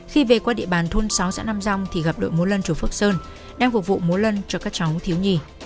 khi về qua địa bàn thôn sáu xã nam rong thì gặp đội múa lân chú phước sơn đang phục vụ múa lân cho các cháu thiếu nhi